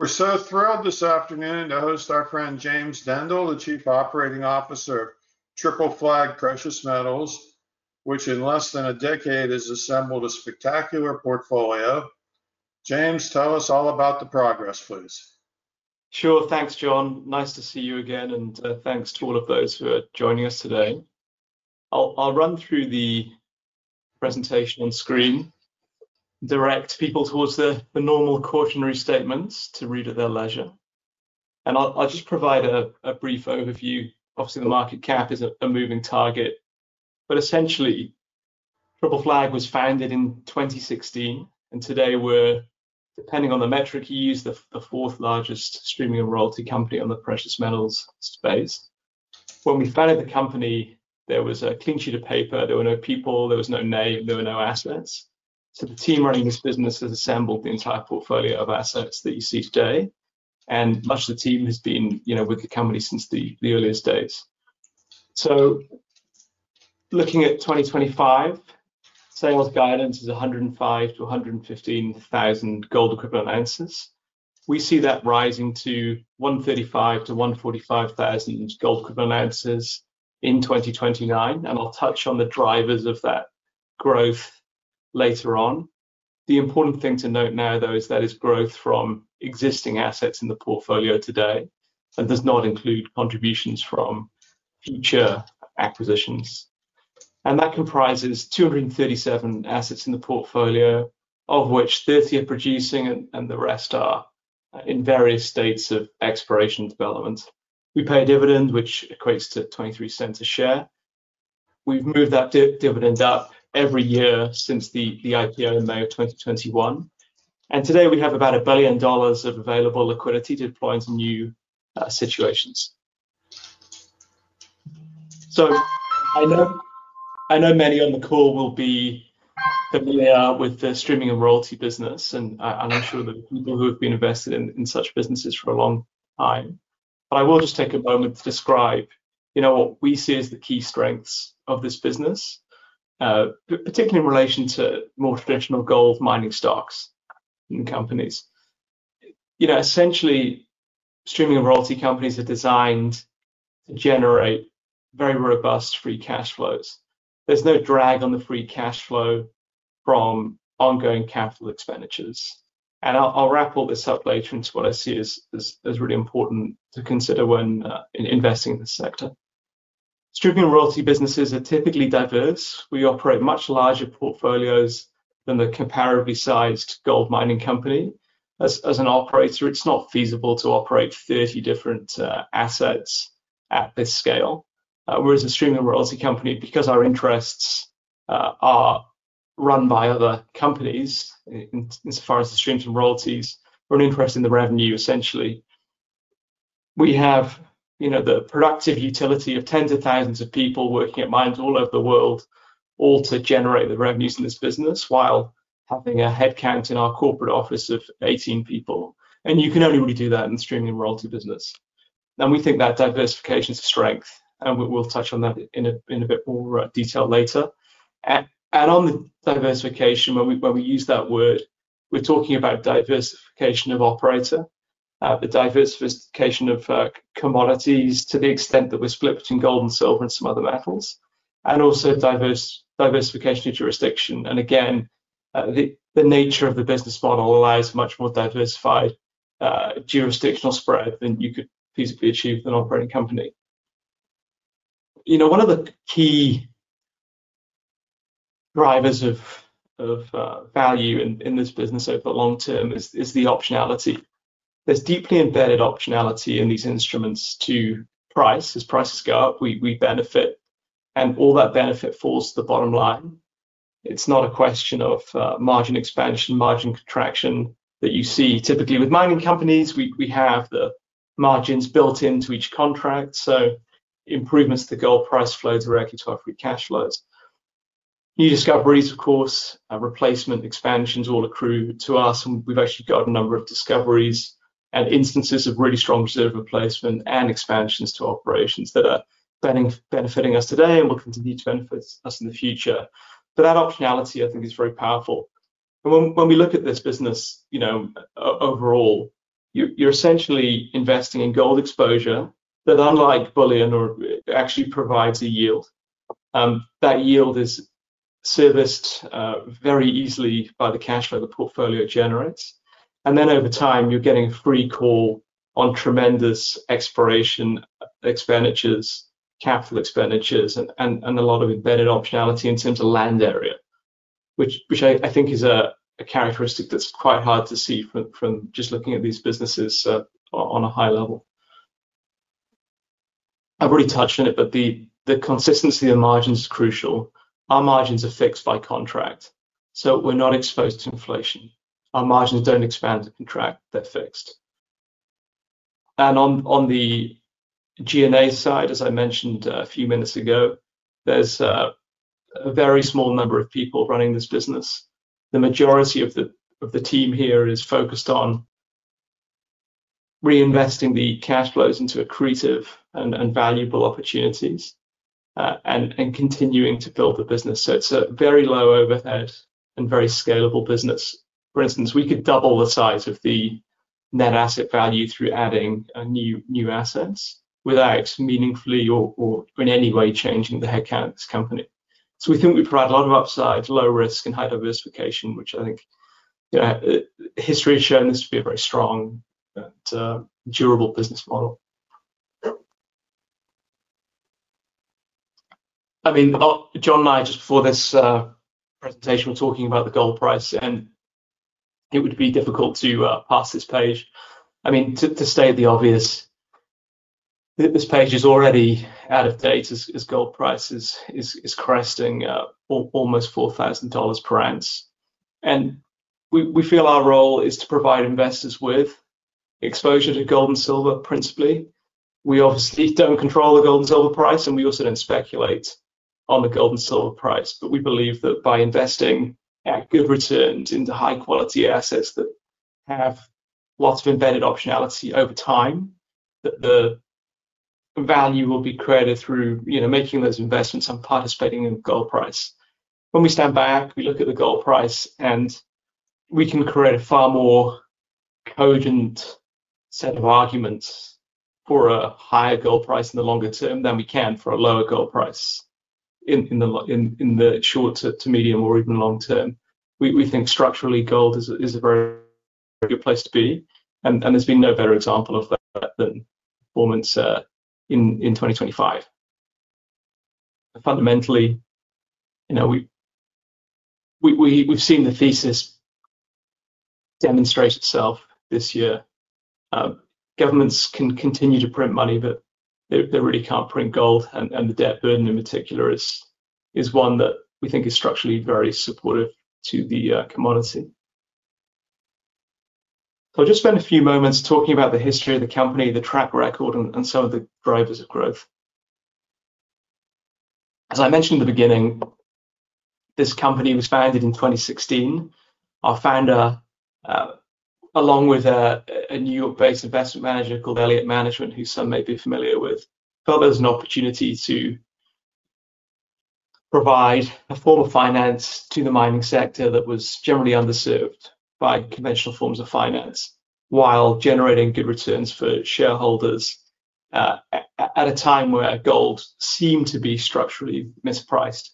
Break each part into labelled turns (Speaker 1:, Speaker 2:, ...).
Speaker 1: We're so thrilled this afternoon to host our friend James Dendle, the Chief Operating Officer of Triple Flag Precious Metals, which in less than a decade has assembled a spectacular portfolio. James, tell us all about the progress, please.
Speaker 2: Sure. Thanks, John. Nice to see you again, and thanks to all of those who are joining us today. I'll run through the presentation on screen, direct people towards the normal cautionary statements to read at their leisure. I'll just provide a brief overview. Obviously, the market cap is a moving target, but essentially, Triple Flag was founded in 2016, and today we're, depending on the metric used, the fourth largest streaming and royalty company in the precious metals space. When we founded the company, there was a clean sheet of paper. There were no people, there was no name, there were no assets. The team running this business has assembled the entire portfolio of assets that you see today, and much of the team has been with the company since the earliest days. Looking at 2025, sales guidance is 105,000-115,000 gold-equivalent ounces. We see that rising to 135,000-145,000 gold-equivalent ounces in 2029, and I'll touch on the drivers of that growth later on. The important thing to note now, though, is that it's growth from existing assets in the portfolio today and does not include contributions from future acquisitions. That comprises 237 assets in the portfolio, of which 30 are producing and the rest are in various states of exploration and development. We pay a dividend, which equates to $0.23 a share. We've moved that dividend up every year since the IPO in May of 2021, and today we have about $1 billion of available liquidity to find new situations. I know many on the call will be familiar with the streaming and royalty business, and I'm sure that people who have been invested in such businesses for a long time, but I will just take a moment to describe what we see as the key strengths of this business, particularly in relation to more traditional gold mining stocks and companies. Essentially, streaming and royalty companies are designed to generate very robust free cash flows. There's no drag on the free cash flow from ongoing capital expenditures. I'll wrap all this up later into what I see as really important to consider when investing in this sector. Streaming and royalty businesses are typically diverse. We operate much larger portfolios than the comparably sized gold mining company. As an operator, it's not feasible to operate 30 different assets at this scale, whereas a streaming and royalty company, because our interests are run by other companies insofar as the streams and royalties, we're interested in the revenue, essentially. We have the productive utility of tens of thousands of people working at mines all over the world, all to generate the revenues in this business while having a headcount in our corporate office of 18 people. You can only really do that in the streaming and royalty business. We think that diversification is a strength, and we'll touch on that in a bit more detail later. On the diversification, when we use that word, we're talking about diversification of operator, the diversification of commodities to the extent that we're splitting gold and silver and some other metals, and also diversification of jurisdiction. The nature of the business model allows a much more diversified jurisdictional spread than you could feasibly achieve with an operating company. One of the key drivers of value in this business over the long term is the optionality. There's deeply embedded optionality in these instruments to price. As prices go up, we benefit, and all that benefit falls to the bottom line. It's not a question of margin expansion, margin contraction that you see typically with mining companies. We have the margins built into each contract, so improvements to gold price flow directly to our free cash flows. New discoveries, of course, replacement expansions all accrue to us, and we've actually got a number of discoveries and instances of really strong reserve replacement and expansions to operations that are benefiting us today and will continue to benefit us in the future. That optionality, I think, is very powerful. When we look at this business, overall, you're essentially investing in gold exposure that, unlike bullion, actually provides a yield. That yield is serviced very easily by the cash flow the portfolio generates. Over time, you're getting a free call on tremendous exploration expenditures, capital expenditures, and a lot of embedded optionality in terms of land area, which I think is a characteristic that's quite hard to see from just looking at these businesses on a high level. I've already touched on it, but the consistency of margins is crucial. Our margins are fixed by contract, so we're not exposed to inflation. Our margins don't expand or contract; they're fixed. On the G&A side, as I mentioned a few minutes ago, there's a very small number of people running this business. The majority of the team here is focused on reinvesting the cash flows into accretive and valuable opportunities and continuing to build the business. It's a very low overhead and very scalable business. For instance, we could double the size of the net asset value through adding new assets without meaningfully or in any way changing the headcount of this company. We think we provide a lot of upside, low risk, and high diversification, which I think, you know, history has shown this to be a very strong and durable business model. John and I, just before this presentation, were talking about the gold price, and it would be difficult to pass this page. To state the obvious, this page is already out of date as gold prices are cresting almost $4,000 per ounce. We feel our role is to provide investors with exposure to gold and silver, principally. We obviously don't control the gold and silver price, and we also don't speculate on the gold and silver price, but we believe that by investing at good returns into high-quality assets that have lots of embedded optionality over time, the value will be created through making those investments and participating in gold price. When we stand back, we look at the gold price, and we can create a far more cogent set of arguments for a higher gold price in the longer term than we can for a lower gold price in the short to medium or even long term. We think structurally, gold is a very good place to be, and there's been no better example of that than performance in 2025. Fundamentally, we've seen the thesis demonstrate itself this year. Governments can continue to print money, but they really can't print gold, and the debt burden in particular is one that we think is structurally very supportive to the commodity. I'll just spend a few moments talking about the history of the company, the track record, and some of the drivers of growth. As I mentioned in the beginning, this company was founded in 2016. Our founder, along with a New York-based investment manager called Elliott Management, who some may be familiar with, saw it as an opportunity to provide a form of finance to the mining sector that was generally underserved by conventional forms of finance while generating good returns for shareholders at a time where gold seemed to be structurally mispriced.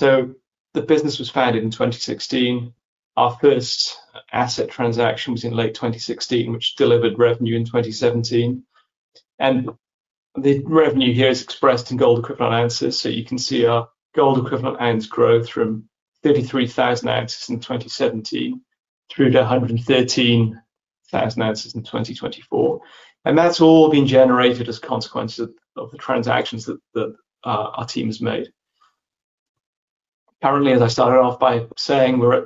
Speaker 2: The business was founded in 2016. Our first asset transaction was in late 2016, which delivered revenue in 2017. The revenue here is expressed in gold-equivalent ounces, so you can see our gold-equivalent ounce growth from 33,000 oz in 2017 through to 113,000 oz in 2024. That's all been generated as a consequence of the transactions that our team has made. Currently, as I started off by saying, we're at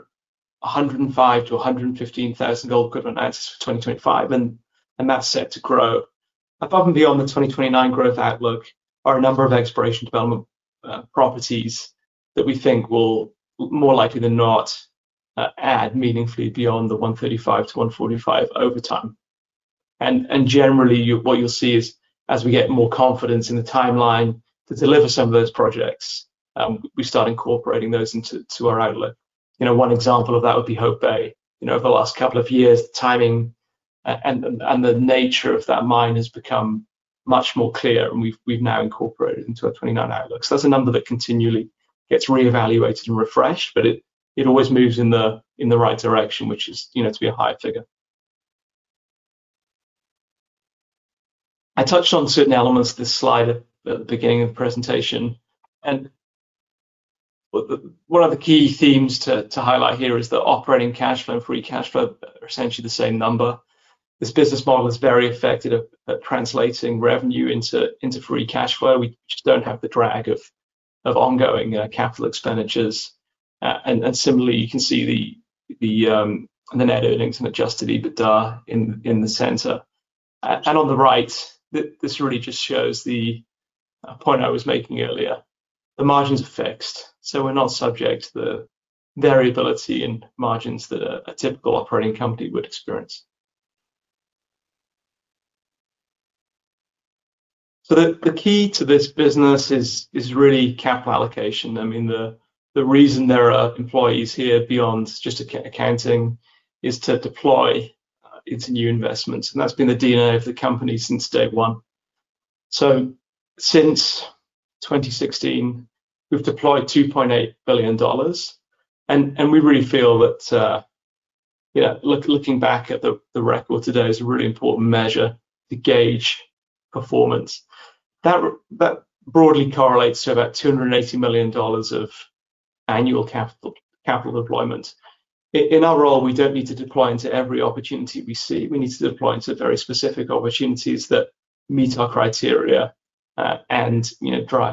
Speaker 2: 105,000-115,000 gold-equivalent ounces for 2025, and that's set to grow. Above and beyond the 2029 growth outlook are a number of exploration development properties that we think will, more likely than not, add meaningfully beyond the 135,000-145,000 over time. Generally, what you'll see is, as we get more confidence in the timeline to deliver some of those projects, we start incorporating those into our outlook. One example of that would be Hope Bay. Over the last couple of years, the timing and the nature of that mine has become much more clear, and we've now incorporated it into our 2029 outlook. That's a number that continually gets reevaluated and refreshed, but it always moves in the right direction, which is to be a high figure. I touched on certain elements of this slide at the beginning of the presentation, and one of the key themes to highlight here is that operating cash flow and free cash flow are essentially the same number. This business model is very effective at translating revenue into free cash flow. We just don't have the drag of ongoing capital expenditures. Similarly, you can see the net earnings and adjusted EBITDA in the center. On the right, this really just shows the point I was making earlier. The margins are fixed, so we're not subject to the variability in margins that a typical operating company would experience. The key to this business is really capital allocation. The reason there are employees here beyond just accounting is to deploy into new investments, and that's been the DNA of the company since day one. Since 2016, we've deployed $2.8 billion, and we really feel that looking back at the record today is a really important measure to gauge performance. That broadly correlates to about $280 million of annual capital deployment. In our role, we don't need to deploy into every opportunity we see. We need to deploy into very specific opportunities that meet our criteria and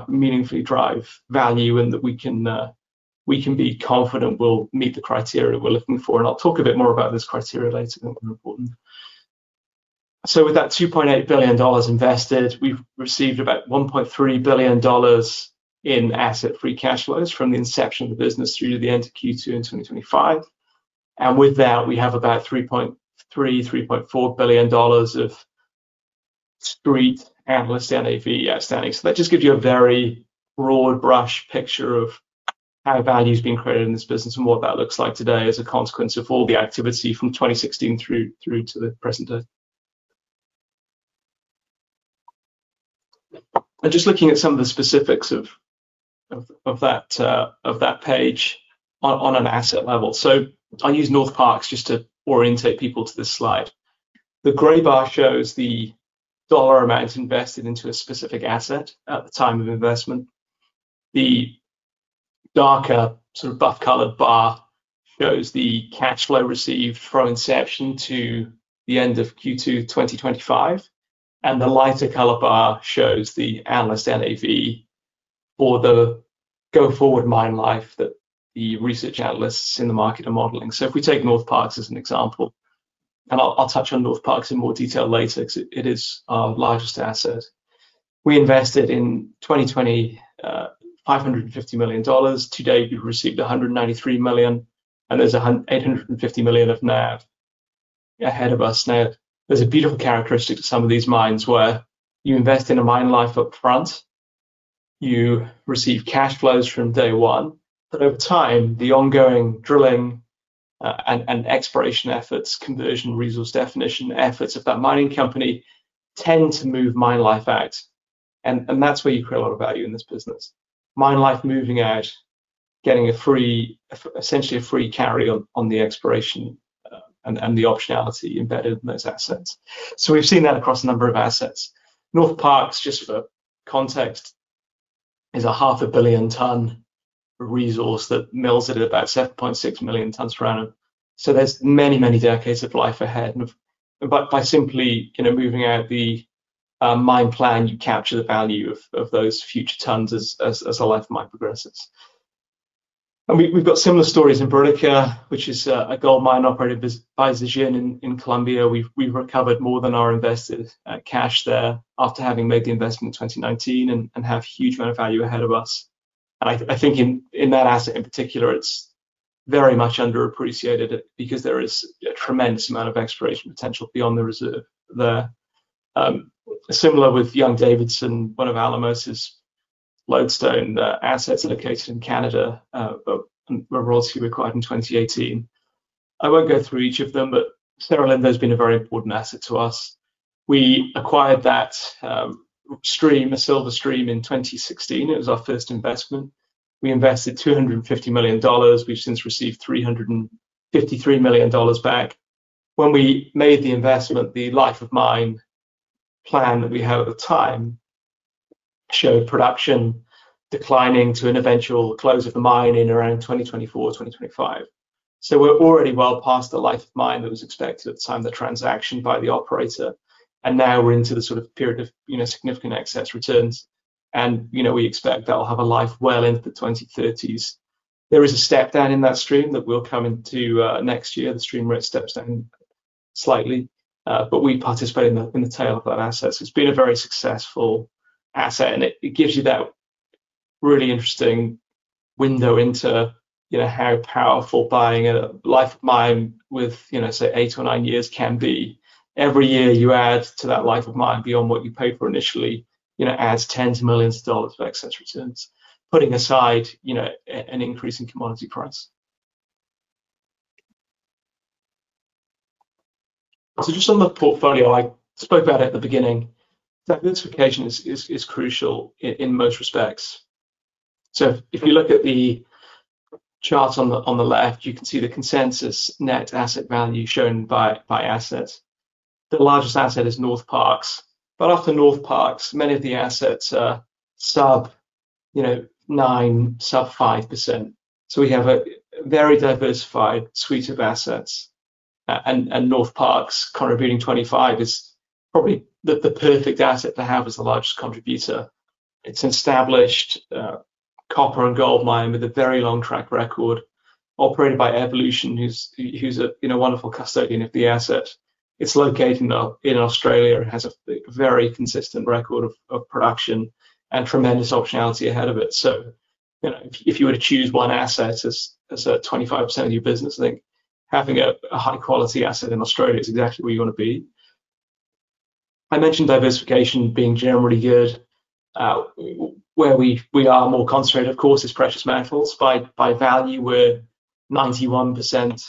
Speaker 2: meaningfully drive value and that we can be confident we'll meet the criteria we're looking for. I'll talk a bit more about those criteria later when they're important. With that $2.8 billion invested, we've received about $1.3 billion in asset free cash flows from the inception of the business through to the end of Q2 in 2025. With that, we have about $3.3 billion–3.4 billion of street analysts and NAV outstanding. That just gives you a very broad brush picture of how value's being created in this business and what that looks like today as a consequence of all the activity from 2016 through to the present day. Just looking at some of the specifics of that page on an asset level, I'll use Northparkes just to orientate people to this slide. The gray bar shows the dollar amount invested into a specific asset at the time of investment. The darker sort of buff-colored bar shows the cash flow received from inception to the end of Q2 2025, and the lighter color bar shows the analyst NAV or the go-forward mine life that the research analysts in the market are modeling. If we take Northparkes as an example, and I'll touch on Northparkes in more detail later because it is our largest asset, we invested in 2020 $550 million. Today, we've received $193 million, and there's $850 million of NAV ahead of us. Now, there's a beautiful characteristic to some of these mines where you invest in a mine life upfront. You receive cash flows from day one, but over time, the ongoing drilling and exploration efforts, conversion resource definition efforts of that mining company tend to move mine life out. That's where you create a lot of value in this business. Mine life moving out, getting a free, essentially a free carry on the exploration and the optionality embedded in those assets. We've seen that across a number of assets. Northparkes, just for context, is a half a billion-ton resource that mills at about 7.6 million tons per annum. There are many, many decades of life ahead. By simply moving out the mine plan, you capture the value of those future tons as a life of mine progresses. We've got similar stories in Boracay, which is a gold mine operated by Zhejiang in Colombia. We've recovered more than our investors at cash there after having made the investment in 2019 and have a huge amount of value ahead of us. I think in that asset in particular, it's very much underappreciated because there is a tremendous amount of exploration potential beyond the reserve there. Similar with Young-Davidson, one of Alamos' lodestone assets located in Canada, a royalty acquired in 2018. I won't go through each of them, but Cerro Lindo has been a very important asset to us. We acquired that silver stream in 2016. It was our first investment. We invested $250 million. We've since received $353 million back. When we made the investment, the life of mine plan that we had at the time showed production declining to an eventual close of the mine in around 2024 or 2025. We're already well past the life of mine that was expected at the time of the transaction by the operator, and now we're into the period of significant excess returns. We expect that'll have a life well into the 2030s. There is a step down in that stream that will come into next year. The stream rate steps down slightly, but we participate in the tail of that asset. It's been a very successful asset, and it gives you that really interesting window into how powerful buying a life of mine with, say, eight or nine years can be. Every year you add to that life of mine beyond what you pay for initially adds tens of millions of dollars of excess returns, putting aside an increase in commodity price. Just on the portfolio I spoke about at the beginning, diversification is crucial in most respects. If you look at the chart on the left, you can see the consensus net asset value shown by assets. The largest asset is Northparkes, but after Northparkes, many of the assets are sub-9%, sub-5%. We have a very diversified suite of assets, and Northparkes contributing 25% is probably the perfect asset to have as the largest contributor. It's an established copper and gold mine with a very long track record, operated by Evolution, who's a wonderful custodian of the asset. It's located in Australia and has a very consistent record of production and tremendous optionality ahead of it. If you were to choose one asset as 25% of your business, I think having a high-quality asset in Australia is exactly where you want to be. I mentioned diversification being generally good. Where we are more concentrated, of course, is precious metals. By value, we're 91%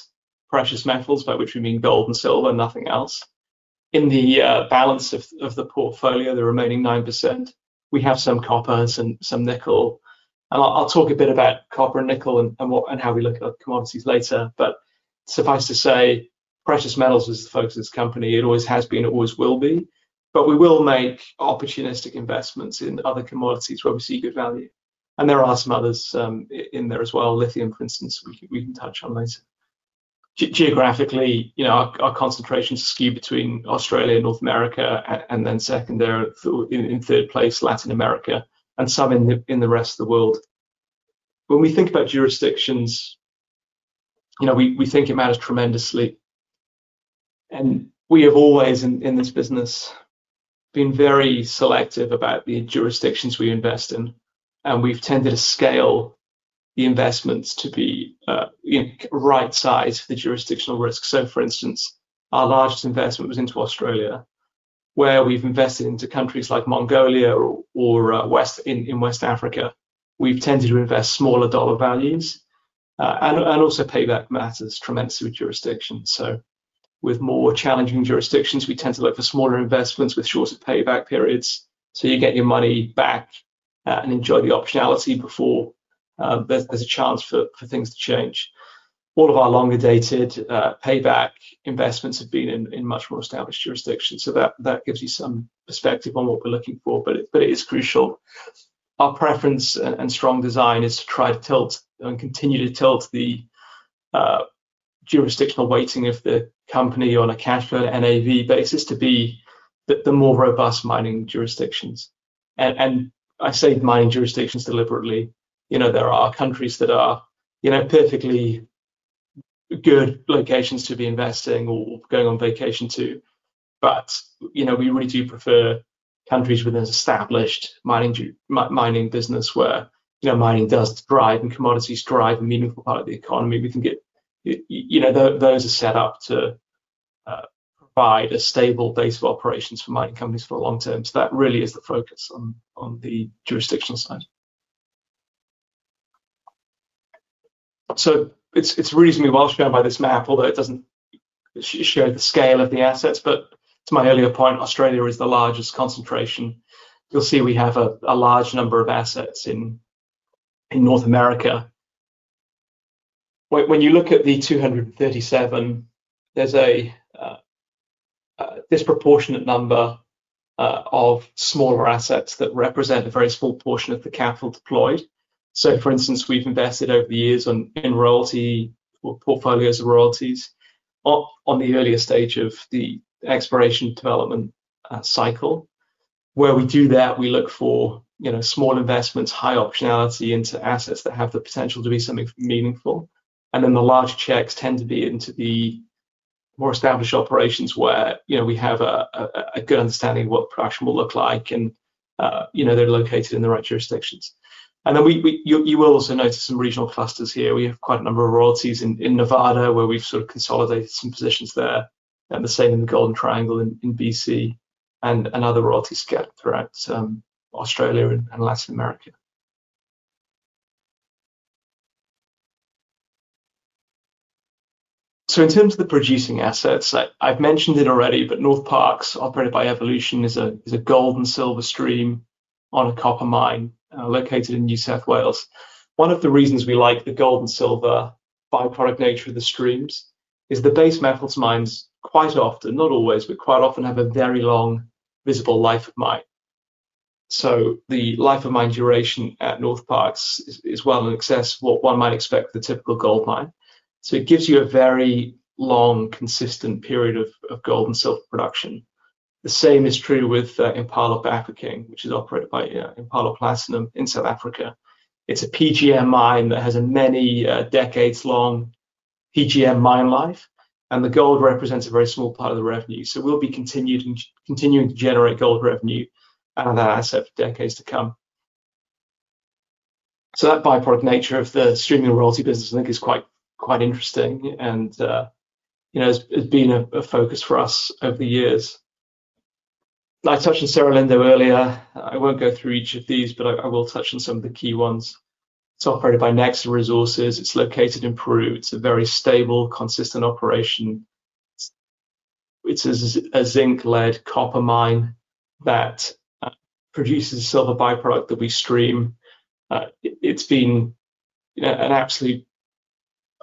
Speaker 2: precious metals, by which we mean gold and silver and nothing else. In the balance of the portfolio, the remaining 9%, we have some copper and some nickel. I'll talk a bit about copper and nickel and how we look at other commodities later, but suffice to say, precious metals is the focus of this company. It always has been, it always will be, but we will make opportunistic investments in other commodities where we see good value. There are some others in there as well, lithium, for instance, we can touch on later. Geographically, our concentrations are skewed between Australia and North America, and then secondary in third place, Latin America, and some in the rest of the world. When we think about jurisdictions, we think about it tremendously, and we have always in this business been very selective about the jurisdictions we invest in, and we've tended to scale the investments to be right size for the jurisdictional risk. For instance, our largest investment was into Australia, where we've invested into countries like Mongolia or in West Africa. We've tended to invest smaller dollar values and also payback matters tremendously with jurisdictions. With more challenging jurisdictions, we tend to look for smaller investments with shorter payback periods so you get your money back and enjoy the optionality before there's a chance for things to change. All of our longer-dated payback investments have been in much more established jurisdictions, so that gives you some perspective on what we're looking for, but it is crucial. Our preference and strong design is to try to tilt and continue to tilt the jurisdictional weighting of the company on a cash flow and NAV basis to be the more robust mining jurisdictions. I say mining jurisdictions deliberately. There are countries that are perfectly good locations to be investing or going on vacation to, but we really do prefer countries with an established mining business where mining does thrive and commodities thrive and meaningful part of the economy. We think those are set up to provide a stable base of operations for mining companies for a long term, so that really is the focus on the jurisdictional side. It's reasonably well shown by this map, although it doesn't show the scale of the assets, but to my earlier point, Australia is the largest concentration. You'll see we have a large number of assets in North America. When you look at the 237, there's a disproportionate number of smaller assets that represent a very small portion of the capital deployed. For instance, we've invested over the years in royalty portfolios of royalties on the earlier stage of the exploration development cycle. Where we do that, we look for small investments, high optionality into assets that have the potential to be something meaningful, and the large checks tend to be into the more established operations where we have a good understanding of what production will look like, and they're located in the right jurisdictions. You will also notice some regional clusters here. We have quite a number of royalties in Nevada where we've sort of consolidated some positions there, and the same in the Golden Triangle in BC, and other royalties scattered throughout Australia and Latin America. In terms of the producing assets, I've mentioned it already, but Northparkes, operated by Evolution, is a gold and silver stream on a copper mine located in New South Wales. One of the reasons we like the gold and silver byproduct nature of the streams is the base metals mines quite often, not always, but quite often have a very long visible life of mine. The life of mine duration at Northparkes is well in excess of what one might expect for the typical gold mine. It gives you a very long, consistent period of gold and silver production. The same is true with Impala Bafokeng, which is operated by Impala Platinum in South Africa. It's a PGM mine that has a many decades-long PGM mine life, and the gold represents a very small part of the revenue. We'll be continuing to generate gold revenue and assets for decades to come. That byproduct nature of the streaming and royalty business, I think, is quite interesting and has been a focus for us over the years. I touched on Cerro Lindo earlier. I won't go through each of these, but I will touch on some of the key ones. It's operated by Nexa Resources. It's located in Peru. It's a very stable, consistent operation. It's a zinc-led copper mine that produces itself a byproduct that we stream. It's been an absolute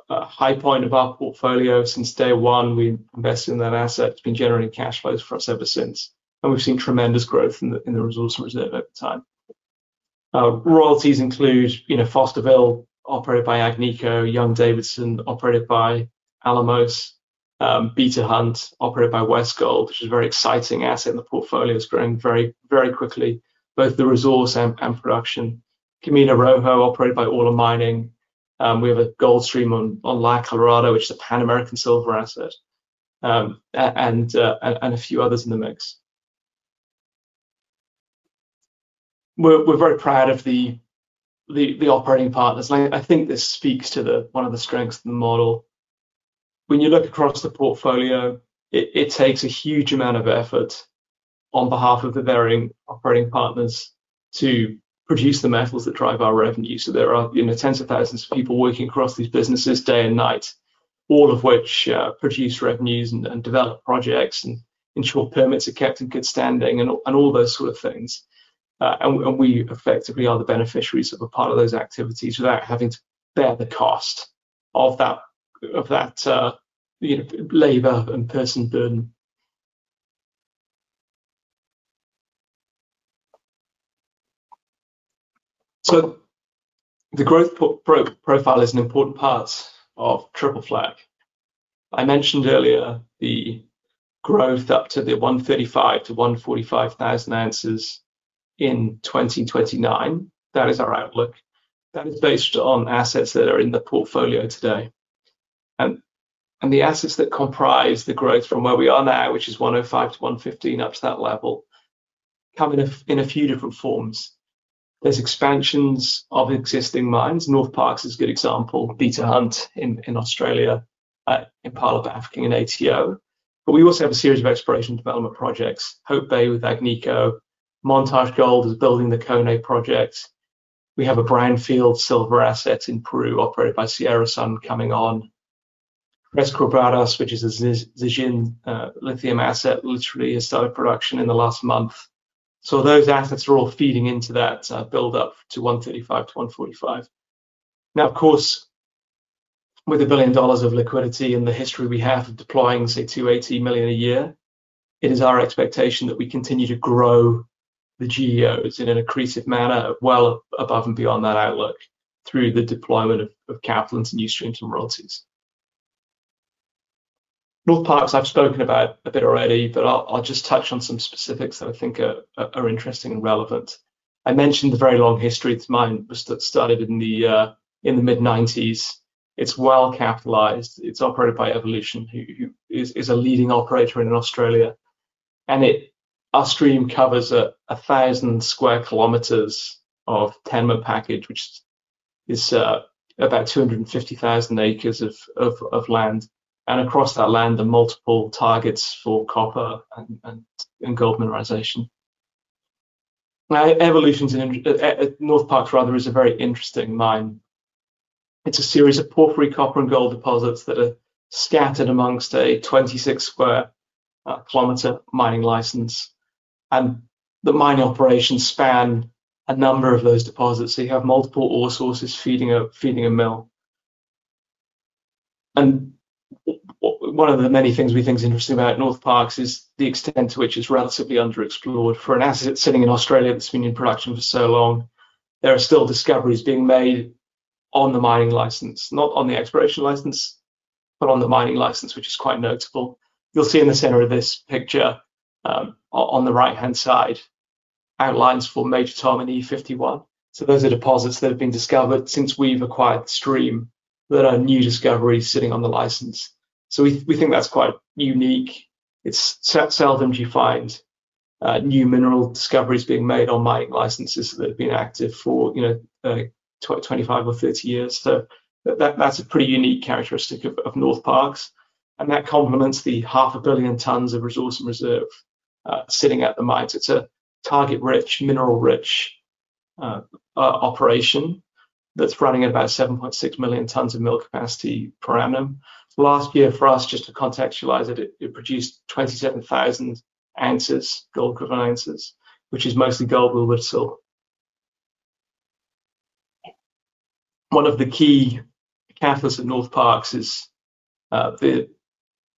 Speaker 2: high point of our portfolio since day one. We invested in that asset. It's been generating cash flows for us ever since, and we've seen tremendous growth in the resource originated over time. Royalties include Fosterville, operated by Agnico, Young-Davidson, operated by Alamos, Beta Hunt, operated by Westgold, which is a very exciting asset in the portfolio. It's grown very, very quickly, both the resource and production. Camino Rojo, operated by Orla Mining. We have a gold stream on La Colorada, which is a Pan American Silver asset, and a few others in the mix. We're very proud of the operating partners, and I think this speaks to one of the strengths of the model. When you look across the portfolio, it takes a huge amount of effort on behalf of the varying operating partners to produce the metals that drive our revenue. There are tens of thousands of people working across these businesses day and night, all of which produce revenues and develop projects, and ensure permits are kept in good standing, and all those sort of things. We effectively are the beneficiaries of a part of those activities without having to bear the cost of that labor and person burden. The growth profile is an important part of Triple Flag. I mentioned earlier the growth up to the 135,000 oz-145,000 oz in 2029. That is our outlook. That is based on assets that are in the portfolio today. The assets that comprise the growth from where we are now, which is 105,000-115,000 up to that level, come in a few different forms. There's expansions of existing mines. Northparkes is a good example. Beta Hunt in Australia, Impala Bafokeng in ATO. We also have a series of exploration development projects. Hope Bay with Agnico. Montage Gold is building the Koné project. We have brownfield silver assets in Peru operated by Sierra Sun coming on. Tres Quebradas, which is a Zhejiang lithium asset, literally has started production in the last month. Those assets are all feeding into that buildup to 135,000-145,000. Now, of course, with $1 billion of liquidity and the history we have of deploying, say, $280 million a year, it is our expectation that we continue to grow the GEOs in an accretive manner well above and beyond that outlook through the deployment of capital into new streams and royalties. Northparkes I've spoken about a bit already, but I'll just touch on some specifics that I think are interesting and relevant. I mentioned the very long history of this mine, which started in the mid-1990s. It's well capitalized. It's operated by Evolution, who is a leading operator in Australia. Our stream covers 1,000 sq. km of tenement package, which is about 250,000 acres of land. Across that land, there are multiple targets for copper and gold mineralization. Northparkes is a very interesting mine. It's a series of porphyry copper and gold deposits that are scattered amongst a 26 sq. km mining license. The mine operations span a number of those deposits, so you have multiple ore sources feeding a mill. One of the many things we think is interesting about Northparkes is the extent to which it's relatively underexplored. For an asset that's sitting in Australia that's been in production for so long, there are still discoveries being made on the mining license, not on the exploration license, but on the mining license, which is quite notable. You'll see in the center of this picture, on the right-hand side, outlines for Major Tom and E51. Those are deposits that have been discovered since we've acquired the stream that are new discoveries sitting on the license. We think that's quite unique. Seldom do you find new mineral discoveries being made on mining licenses that have been active for, you know, 25 or 30 years. That's a pretty unique characteristic of Northparkes. That complements the half a billion tons of resource and reserves sitting at the mines. It's a target-rich, mineral-rich operation that's running at about 7.6 million tons of mill capacity per annum. Last year, for us, just to contextualize it, it produced 27,000 gold-equivalent ounces, which is mostly gold. One of the key catalysts of Northparkes is the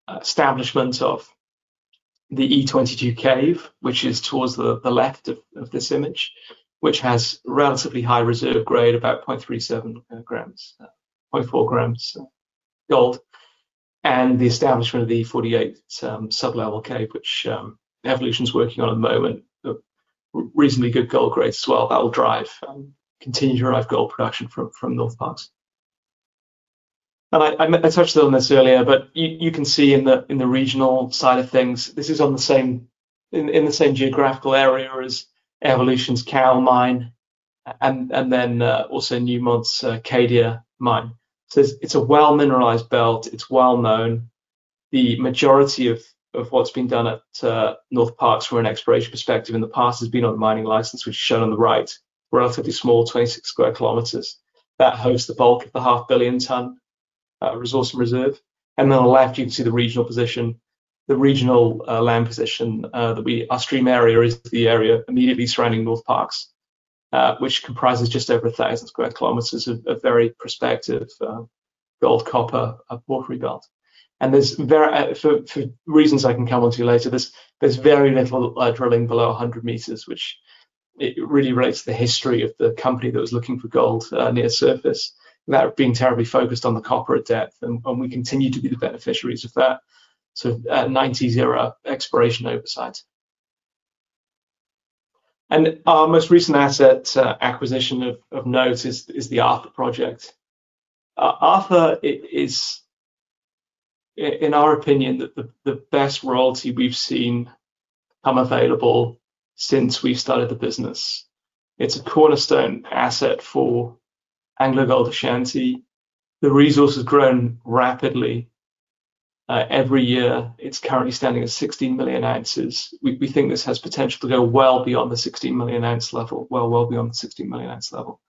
Speaker 2: establishment of the E22 cave, which is towards the left of this image, which has a relatively high reserve grade, about 0.37 g, 0.4 g of gold. The establishment of the E48 sub-level cave, which Evolution is working on at the moment, has reasonably good gold grades as well. That will drive and continue to drive gold production from Northparkes. I touched on this earlier, but you can see in the regional side of things, this is in the same geographical area as Evolution's Cowal mine, and also Newmont's Cadia mine. It's a well-mineralized belt. It's well known. The majority of what's been done at Northparkes from an exploration perspective in the past has been on the mining license, which is shown on the right. Relatively small, 26 sq. km. That hosts the bulk of the half billion ton resource and reserve. On the left, you can see the regional position, the regional land position that we, our stream area is the area immediately surrounding Northparkes, which comprises just over 1,000 sq. km of very prospective gold-copper porphyry belt. For reasons I can come on to later, there's very little drilling below 100 m, which really relates to the history of the company that was looking for gold near surface. That had been terribly focused on the copper at depth, and we continue to be the beneficiaries of that. 90-0 exploration oversight. Our most recent asset acquisition of note is the Arthur Project. Arthur is, in our opinion, the best royalty we've seen come available since we've started the business. It's a cornerstone asset for AngloGold Ashanti. The resource has grown rapidly every year. It's currently standing at 16 million ounces. We think this has potential to go well beyond the 16 million ounce level, well, well beyond the 16 million ounce level.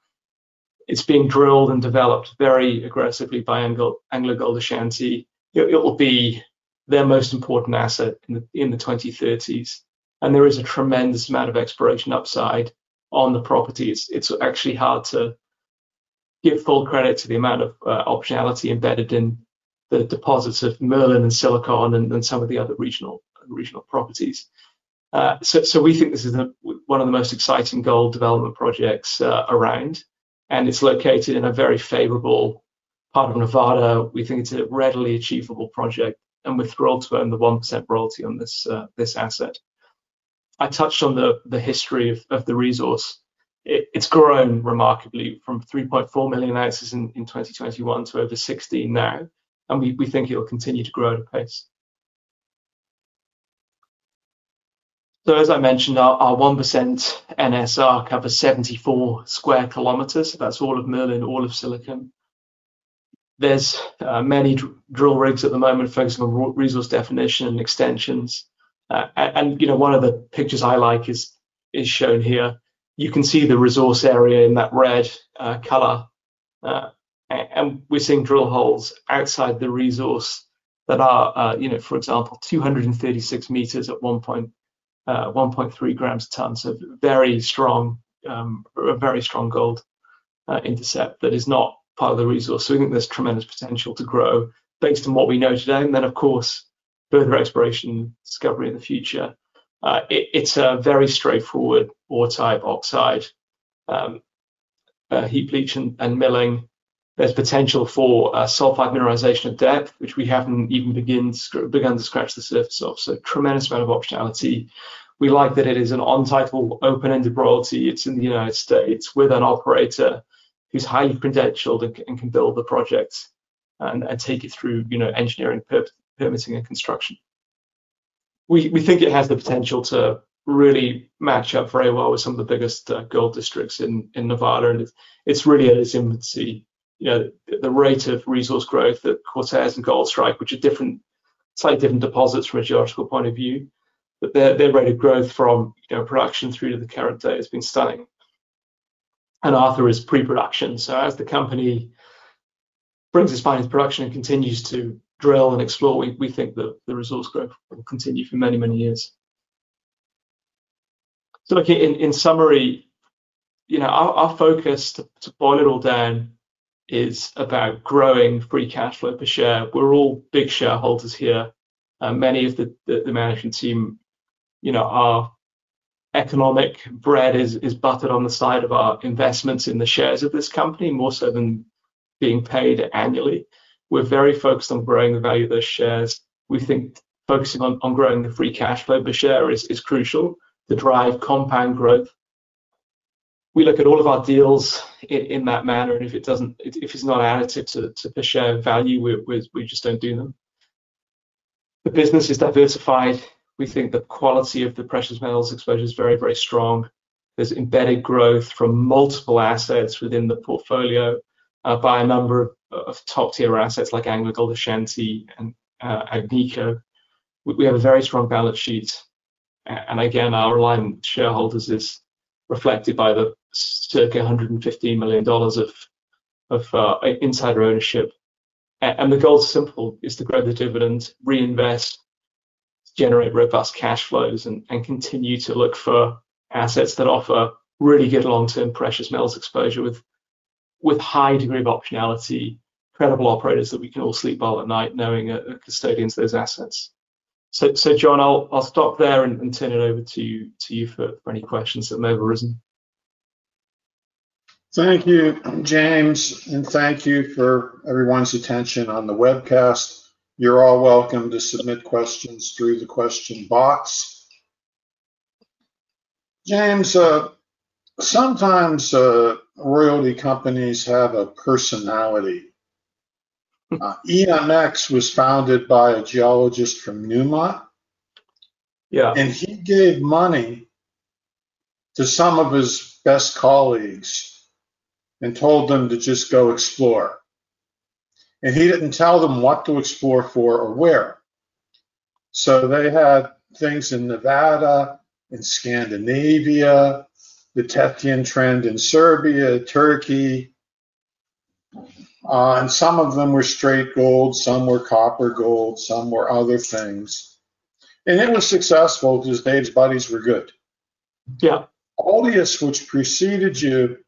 Speaker 2: It's being drilled and developed very aggressively by AngloGold Ashanti. It will be their most important asset in the 2030s. There is a tremendous amount of exploration upside on the property. It's actually hard to give full credit to the amount of optionality embedded in the deposits of Merlin and Silicon and some of the other regional properties. We think this is one of the most exciting gold development projects around, and it's located in a very favorable part of Nevada. We think it's a readily achievable project, and we're thrilled to earn the 1% royalty on this asset. I touched on the history of the resource. It's grown remarkably from 3.4 million oz in 2021 to over 16 million now, and we think it will continue to grow at a pace. As I mentioned, our 1% NSR covers 74 sq. km. That's all of Merlin, all of Silicon. There are many drill rigs at the moment focusing on resource definition and extensions. One of the pictures I like is shown here. You can see the resource area in that red color, and we're seeing drill holes outside the resource that are, for example, 236 meters at 1.3 grams a ton. Very strong, very strong gold intercept that is not part of the resource. I think there's tremendous potential to grow based on what we know today. Of course, further exploration and discovery in the future. It's a very straightforward ore type, oxide, heap leach, and milling. There's potential for sulfide mineralization at depth, which we haven't even begun to scratch the surface of. A tremendous amount of optionality. We like that it is an on-title, open-ended royalty. It's in the United States with an operator who's highly credentialed and can build the projects and take it through engineering, permitting, and construction. We think it has the potential to really match up very well with some of the biggest gold districts in Nevada. It's really at its infancy. The rate of resource growth that Cortez and Goldstrike, which are different, slightly different deposits from a geological point of view, but their rate of growth from production through to the current day has been stunning. Arthur is pre-production. As the company brings its mines to production and continues to drill and explore, we think that the resource growth will continue for many, many years. In summary, our focus to boil it all down is about growing free cash flow per share. We're all big shareholders here. Many of the management team, our economic bread is buttered on the side of our investments in the shares of this company, more so than being paid annually. We're very focused on growing the value of those shares. We think focusing on growing the free cash flow per share is crucial to drive compound growth. We look at all of our deals in that manner, and if it's not additive to the share value, we just don't do them. The business is diversified. We think the quality of the precious metals exposure is very, very strong. There's embedded growth from multiple assets within the portfolio by a number of top-tier assets like AngloGold Ashanti and Agnico. We have a very strong balance sheet, and again, our alignment with shareholders is reflected by the circa $115 million of insider ownership. The goal is simple. It's to grow the dividends, reinvest, generate robust cash flows, and continue to look for assets that offer really good long-term precious metals exposure with a high degree of optionality, credible operators that we can all sleep well at night knowing are custodians of those assets. John, I'll stop there and turn it over to you for any questions that may have arisen.
Speaker 1: Thank you, James, and thank you for everyone's attention on the webcast. You're all welcome to submit questions through the question box. James, sometimes royalty companies have a personality. EMXwas founded by a geologist from Myanmar, and he gave money to some of his best colleagues and told them to just go explore. He didn't tell them what to explore for or where. They had things in Nevada, in Scandinavia, the Tethyan trend in Serbia, Turkey, and some of them were straight gold, some were copper gold, some were other things. It was successful because Dave's buddies were good. All the guests which preceded you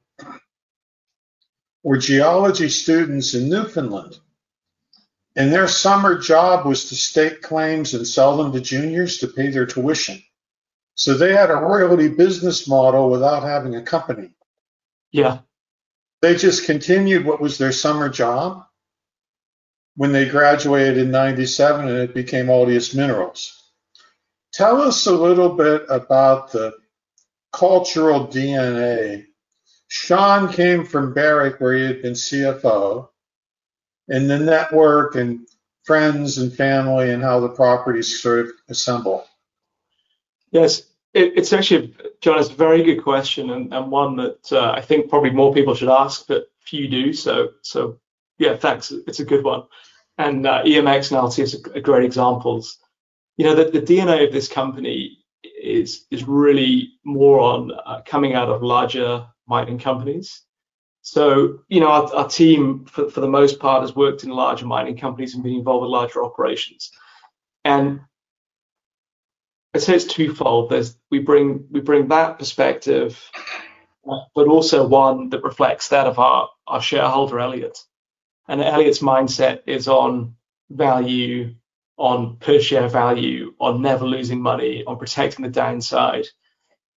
Speaker 1: were geology students in Newfoundland, and their summer job was to stake claims and sell them to juniors to pay their tuition. They had a royalty business model without having a company. They just continued what was their summer job when they graduated in 1997 and it became Altius Minerals. Tell us a little bit about the cultural DNA. Shaun came from Barrick where he had been CFO and the network and friends and family and how the properties sort of assemble.
Speaker 2: Yes, it's actually, John, it's a very good question and one that I think probably more people should ask, but few do. Yeah, thanks. It's a good one. EMX are great examples. You know, the DNA of this company is really more on coming out of larger mining companies. Our team for the most part has worked in larger mining companies and been involved with larger operations. I'd say it's twofold. We bring that perspective, but also one that reflects that of our shareholder, Elliott. Elliott's mindset is on value, on per share value, on never losing money, on protecting the downside.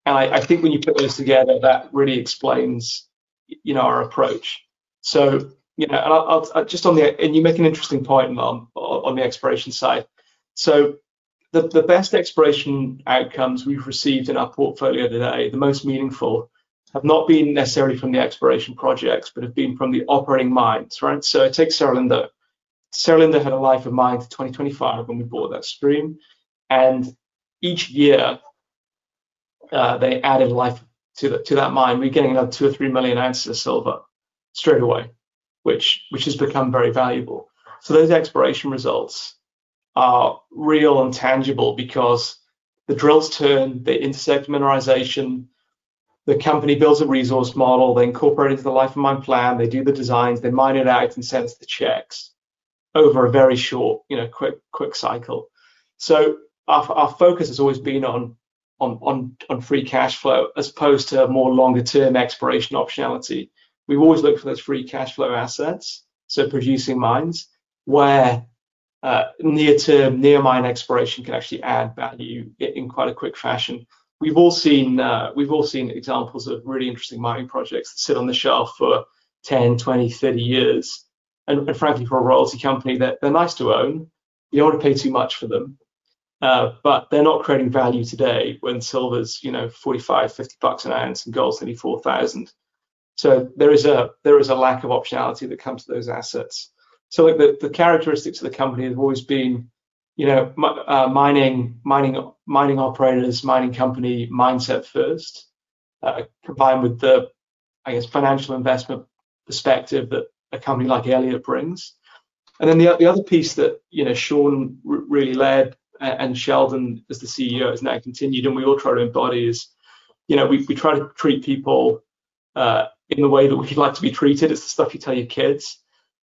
Speaker 2: I think when you put those together, that really explains our approach. You make an interesting point on the exploration side. The best exploration outcomes we've received in our portfolio today, the most meaningful, have not been necessarily from the exploration projects, but have been from the operating mines, right? I take Cerro Lindo. Cerro Lindo had a life of mine to 2025 when we bought that stream. Each year, they added life to that mine. We're getting another two or three million ounces of silver straight away, which has become very valuable. Those exploration results are real and tangible because the drills turn, they intersect mineralization, the company builds a resource model, they incorporate it into the life of mine plan, they do the designs, they mine it out and send us the checks over a very short, quick cycle. Our focus has always been on free cash flow as opposed to a more longer-term exploration optionality. We've always looked for those free cash flow assets, so producing mines, where near-term, near-mine exploration can actually add value in quite a quick fashion. We've all seen examples of really interesting mining projects that sit on the shelf for 10, 20, 30 years. Frankly, for a royalty company, they're nice to own. You don't want to pay too much for them, but they're not creating value today when silver's $45-$50 an ounce and gold's $34,000. There is a lack of optionality that comes to those assets. The characteristics of the company have always been mining operators, mining company mindset first, combined with the, I guess, financial investment perspective that a company like Elliott brings. The other piece that Shaun really led and Sheldon as the CEO has now continued, and we all try to embody, is we try to treat people in the way that we'd like to be treated. It's the stuff you tell your kids.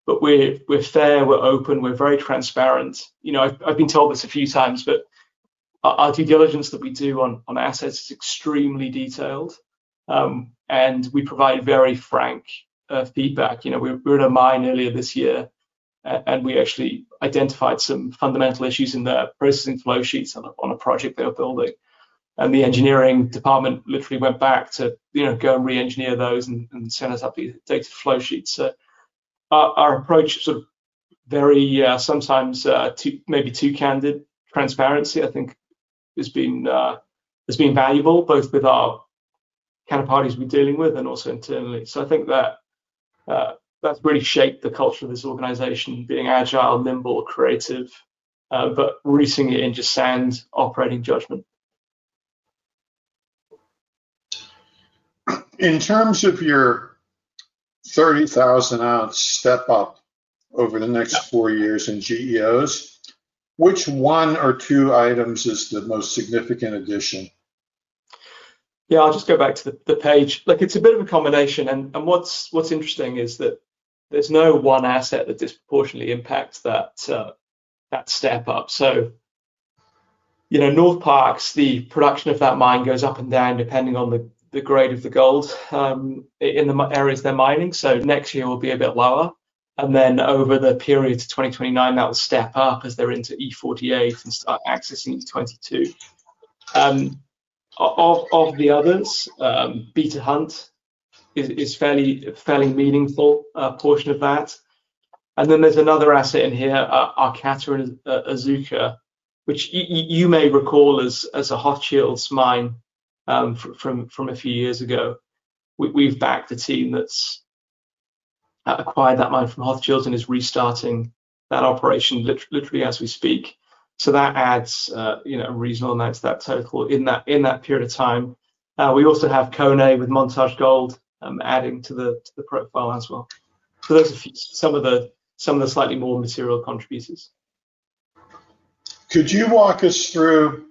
Speaker 2: We're fair, we're open, we're very transparent. I've been told this a few times, but our due diligence that we do on assets is extremely detailed, and we provide very frank feedback. We were at a mine earlier this year, and we actually identified some fundamental issues in their processing flow sheets on a project they were building. The engineering department literally went back to re-engineer those and send us up these data flow sheets. Our approach is sort of very, sometimes maybe too candid. Transparency, I think, has been valuable both with our counterparties we're dealing with and also internally. I think that that's really shaped the culture of this organization, being agile, nimble, creative, but really seeing it in just sound operating judgment.
Speaker 1: In terms of your 30,000-ounce step-up over the next four years in GEOs, which one or two items is the most significant addition?
Speaker 2: Yeah, I'll just go back to the page. It's a bit of a combination. What's interesting is that there's no one asset that disproportionately impacts that step-up. Northparkes, the production of that mine goes up and down depending on the grade of the gold in the areas they're mining. Next year will be a bit lower, and then over the period to 2029, that will step up as they're into E48 and start accessing E22. Of the others, Beta Hunt is a fairly meaningful portion of that. There's another asset in here, Arcata and Azuca, which you may recall as a Hochschild mine from a few years ago. We've backed a team that's acquired that mine from Hochschild and is restarting that operation literally as we speak. That adds a reasonable amount to that total in that period of time. We also have Koné with Montage Gold adding to the profile as well. Those are some of the slightly more material contributors.
Speaker 1: Could you walk us through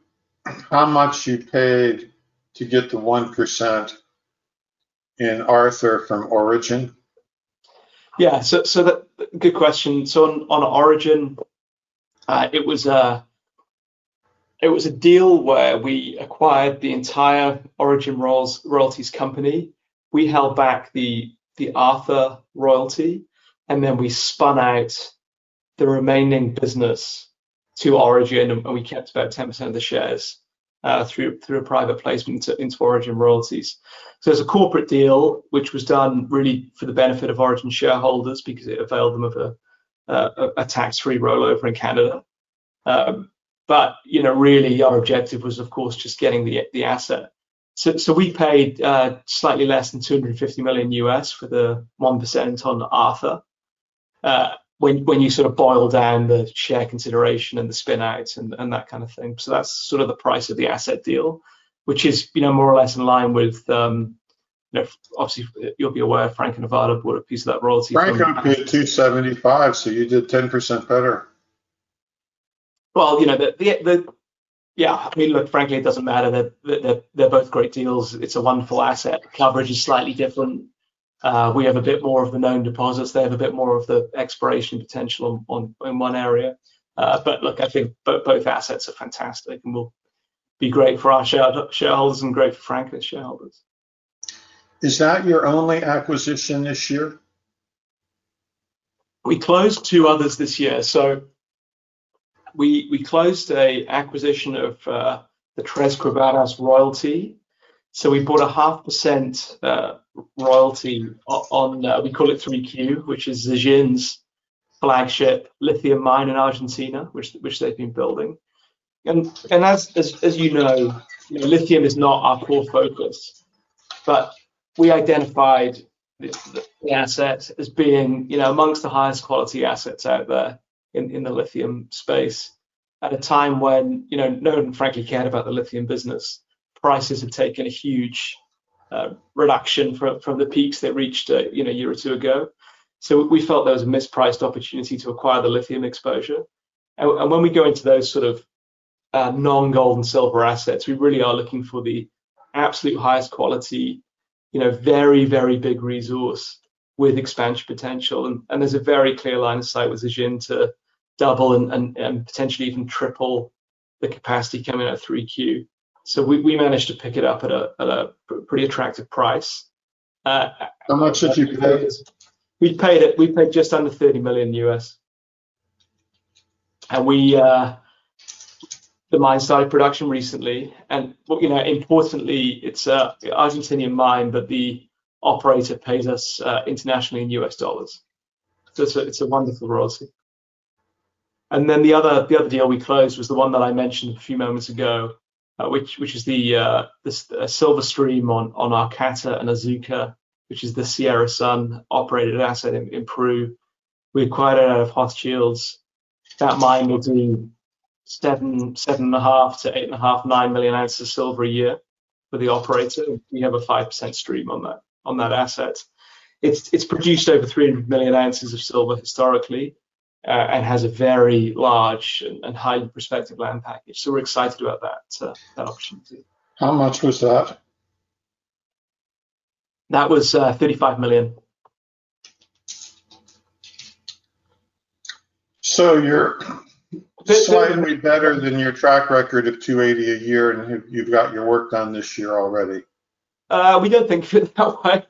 Speaker 1: how much you paid to get the 1% in Arthur from Origin?
Speaker 2: Yeah, that's a good question. On Origin, it was a deal where we acquired the entire Origin Royalties Company. We held back the Arthur royalty, and then we spun out the remaining business to Origin, and we kept about 10% of the shares through a private placement into Origin Royalties. It was a corporate deal which was done really for the benefit of Origin shareholders because it availed them of a tax-free rollover in Canada. Really, our objective was, of course, just getting the asset. We paid slightly less than $250 million for the 1% on Arthur when you sort of boil down the share consideration and the spin-out and that kind of thing. That's the price of the asset deal, which is more or less in line with, obviously, you'll be aware, Franco-Nevada bought a piece of that royalty.
Speaker 1: Franco opened at $275, so you did 10% better.
Speaker 2: Frankly, it doesn't matter that they're both great deals. It's a wonderful asset. Clobberage is slightly different. We have a bit more of the known deposits. They have a bit more of the exploration potential in one area. I think both assets are fantastic and will be great for our shareholders and great for Franklin's shareholders.
Speaker 1: Is that your only acquisition this year?
Speaker 2: We closed two others this year. We closed an acquisition of a Tres Quebradas royalty. We bought a 0.5% royalty on, we call it 3Q, which is Zhejiang's flagship lithium mine in Argentina, which they've been building. As you know, lithium is not our core focus, but we identified the assets as being amongst the highest quality assets out there in the lithium space at a time when no one frankly cared about the lithium business. Prices had taken a huge reduction from the peaks they reached a year or two ago. We felt there was a mispriced opportunity to acquire the lithium exposure. When we go into those sort of non-gold and silver assets, we really are looking for the absolute highest quality, very, very big resource with expansion potential. There is a very clear line of sight with Zhejiang to double and potentially even triple the capacity coming out of 3Q. We managed to pick it up at a pretty attractive price.
Speaker 1: How much have you paid?
Speaker 2: We've paid just under $30 million U.S. The mine started production recently. Importantly, it's an Argentinian mine, but the operator pays us internationally in U.S. dollars. It's a wonderful royalty. The other deal we closed was the one that I mentioned a few moments ago, which is the silver stream on Arcata and Azuca, which is the Sierra Sun operated asset in Peru. We acquired it out of Hochschild. That mine will do 7.5 to 8.5, 9 million oz of silver a year for the operator. We have a 5% stream on that asset. It's produced over 300 million ounces of silver historically and has a very large and highly prospective land package. We're excited about that opportunity.
Speaker 1: How much was that?
Speaker 2: That was $35 million.
Speaker 1: You're definitely better than your track record of 280 a year, and you've got your work done this year already.
Speaker 2: We don't think of it that way.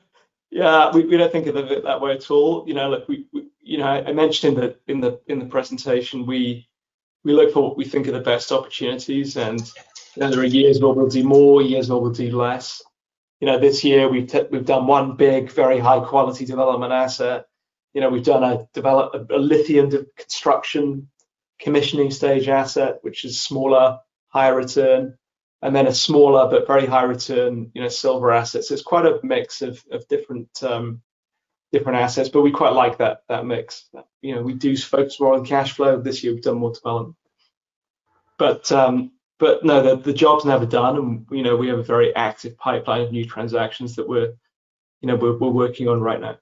Speaker 2: Yeah, we don't think of it that way at all. I mentioned in the presentation, we look for what we think are the best opportunities, and there are years where we'll do more, years where we'll do less. This year we've done one big, very high-quality development asset. We've done a lithium construction commissioning stage asset, which is smaller, higher return, and then a smaller but very high return silver asset. It's quite a mix of different assets, but we quite like that mix. We do focus more on cash flow. This year we've done more development. The job's never done, and we have a very active pipeline of new transactions that we're working on right now.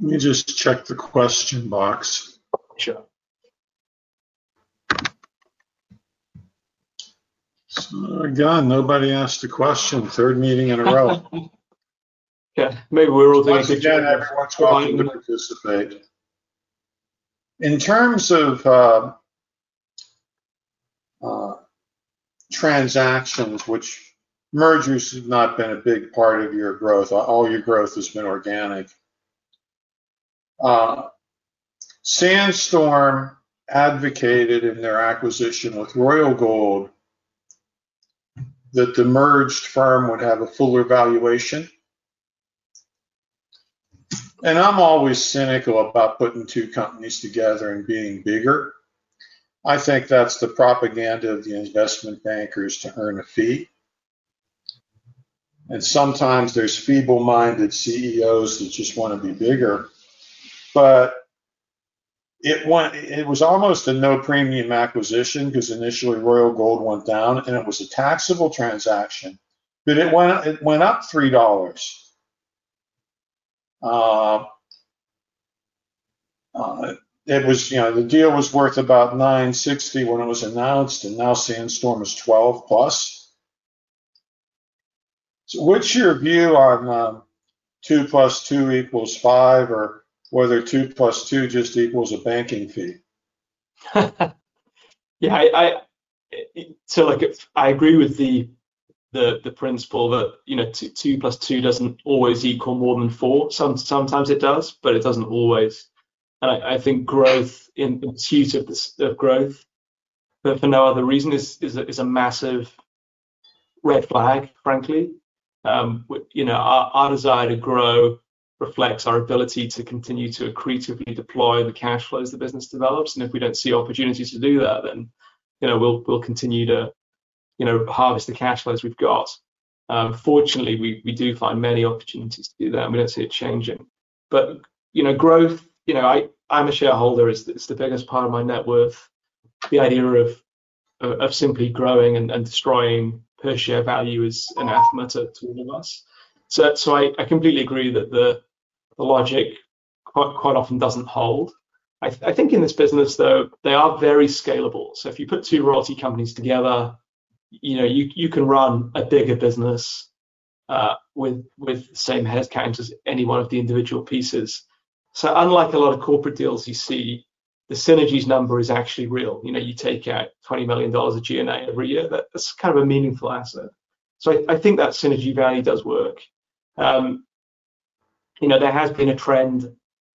Speaker 1: Let me just check the question box. Again, nobody asked a question. Third meeting in a row.
Speaker 2: Yeah, maybe we're all doing it.
Speaker 1: In terms of transactions, mergers have not been a big part of your growth, all your growth has been organic. Sandstorm advocated in their acquisition with Royal Gold that the merged firm would have a fuller valuation. I'm always cynical about putting two companies together and being bigger. I think that's the propaganda of the investment bankers to earn a fee. Sometimes there's feeble-minded CEOs that just want to be bigger. It was almost a no-premium acquisition because initially Royal Gold went down, and it was a taxable transaction, but it went up $3. The deal was worth about $9.60 when it was announced, and now Sandstorm is $12 plus. What's your view on 2 + 2 = 5 or whether 2 + 2 just equals a banking fee?
Speaker 2: Yeah, I agree with the principle that, you know, 2 + 2 doesn't always equal more than 4. Sometimes it does, but it doesn't always. I think growth, in the use of growth, but for no other reason, is a massive red flag, frankly. Our desire to grow reflects our ability to continue to accretively deploy the cash flows the business develops. If we don't see opportunities to do that, then we'll continue to harvest the cash flows we've got. Fortunately, we do find many opportunities to do that, and we don't see it changing. Growth, you know, I'm a shareholder. It's the biggest part of my net worth. The idea of simply growing and destroying per share value is anathema to all of us. I completely agree that the logic quite often doesn't hold. I think in this business, though, they are very scalable. If you put two royalty companies together, you can run a bigger business with the same headcount as any one of the individual pieces. Unlike a lot of corporate deals you see, the synergy's number is actually real. You take out $20 million of G&A every year. That's kind of a meaningful asset. I think that synergy value does work. There has been a trend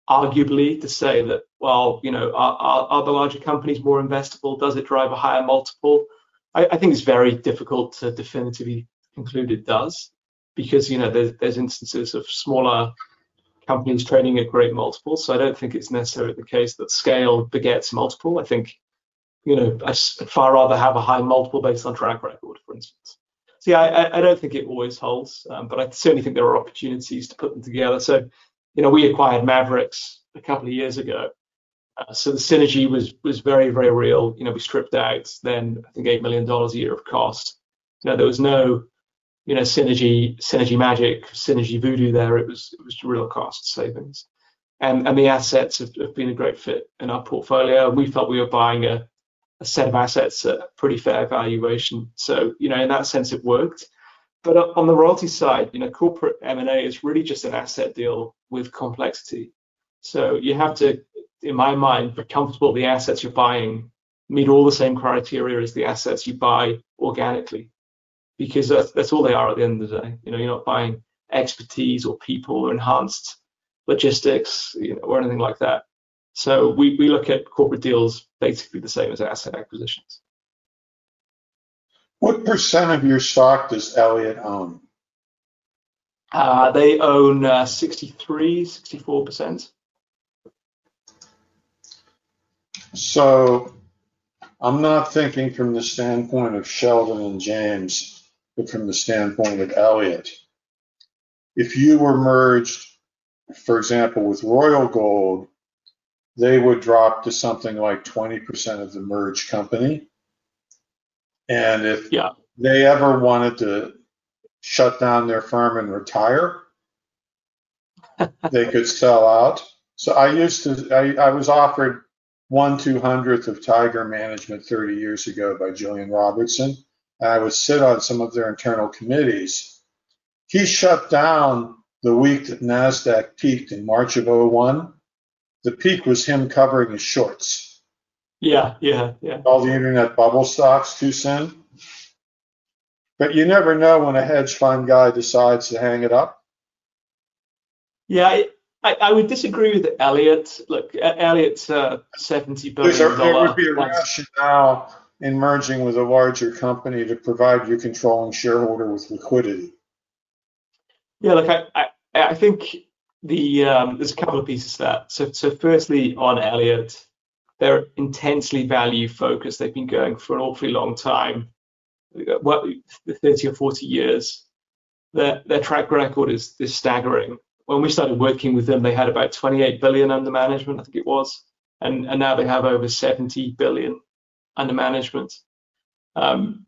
Speaker 2: arguably to say that, well, are the larger companies more investable? Does it drive a higher multiple? I think it's very difficult to definitively conclude it does because there's instances of smaller companies trading at great multiples. I don't think it's necessarily the case that scale begets multiple. I'd just far rather have a high multiple based on track record, for instance. I don't think it always holds, but I certainly think there are opportunities to put them together. We acquired Mavericks a couple of years ago. The synergy was very, very real. We stripped out then $8 million a year of cost. There was no synergy magic, synergy voodoo there. It was real cost savings. The assets have been a great fit in our portfolio. We felt we were buying a set of assets at a pretty fair valuation. In that sense, it worked. On the royalty side, corporate M&A is really just an asset deal with complexity. You have to, in my mind, be comfortable that the assets you're buying meet all the same criteria as the assets you buy organically because that's all they are at the end of the day. You're not buying expertise or people or enhanced logistics or anything like that. We look at corporate deals basically the same as asset acquisitions.
Speaker 1: What percent of your stock does Elliott own?
Speaker 2: They own 63%, 64%.
Speaker 1: I'm not thinking from the standpoint of Sheldon and James, but from the standpoint of Elliott. If you were merged, for example, with Royal Gold, they would drop to something like 20% of the merged company. If they ever wanted to shut down their firm and retire, they could sell out. I used to, I was offered one two hundredth of Tiger Management 30 years ago by Gillian Robertson. I would sit on some of their internal committees. He shut down the week that NASDAQ peaked in March of 2001. The peak was him covering his shorts.
Speaker 2: Yeah.
Speaker 1: All the internet bubble stocks too soon. You never know when a hedge fund guy decides to hang it up.
Speaker 2: Yeah, I would disagree with Elliott. Look, Elliott's certainty building.
Speaker 1: There's a lot of the election now in merging with a larger company to provide you control and shareholder with liquidity.
Speaker 2: Yeah, look, I think there's a couple of pieces there. Firstly, on Elliott, they're intensely value-focused. They've been going for an awfully long time, what, 30 or 40 years. Their track record is staggering. When we started working with them, they had about $28 billion under management, I think it was. Now they have over $70 billion under management. I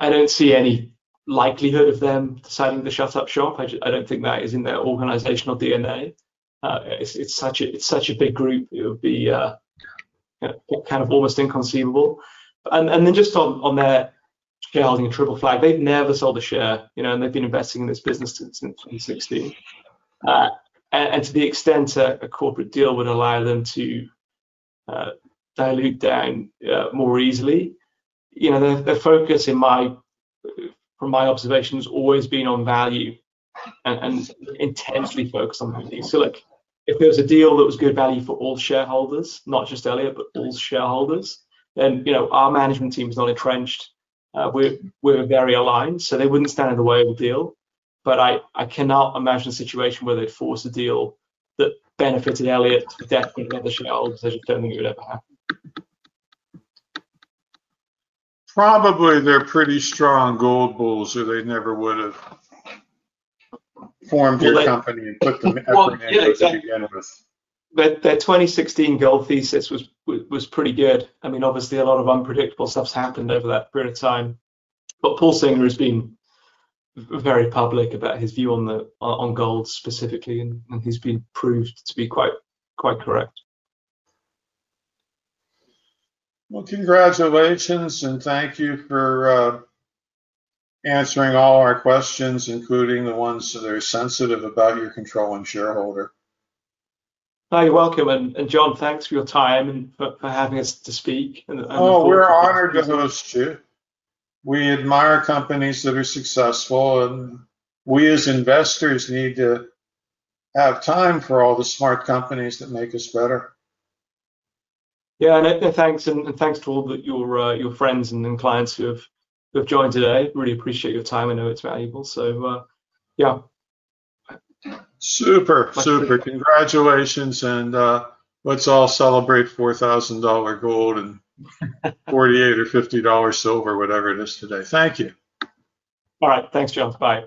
Speaker 2: don't see any likelihood of them deciding to shut up shop. I don't think that is in their organizational DNA. It's such a big group. It would be kind of almost inconceivable. Just on their shareholding in Triple Flag, they've never sold a share, you know, and they've been investing in this business since 2016. To the extent a corporate deal would allow them to dilute down more easily, their focus, from my observations, has always been on value and intensely focused on value. If there was a deal that was good value for all shareholders, not just Elliott, but all shareholders, our management team is not entrenched. We're very aligned, so they wouldn't stand in the way of a deal. I cannot imagine a situation where they'd force a deal that benefited Elliott to death and the other shareholders. I just don't think it would ever happen.
Speaker 1: Probably they're pretty strong gold bulls, so they never would have formed a company and took them as a management.
Speaker 2: Their 2016 gold thesis was pretty good. I mean, obviously, a lot of unpredictable stuff's happened over that period of time. Paul Singer has been very public about his view on gold specifically, and he's been proved to be quite correct.
Speaker 1: Congratulations and thank you for answering all our questions, including the ones that are sensitive about your control and shareholder.
Speaker 2: Oh, you're welcome. John, thanks for your time and for having us to speak.
Speaker 1: Oh, we're honored to host you. We admire companies that are successful, and we as investors need to have time for all the smart companies that make us better.
Speaker 2: Yeah, thanks, and thanks to all your friends and clients who have joined today. Really appreciate your time. I know it's valuable. Yeah.
Speaker 1: Super, super. Congratulations and let's all celebrate $4,000 gold and $48 or $50 silver, whatever it is today. Thank you.
Speaker 2: All right, thanks, John. Bye.